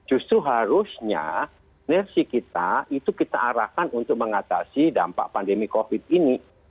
justru harusnya nersi kita itu kita arahkan untuk mengatasi dampak pandemi covid ini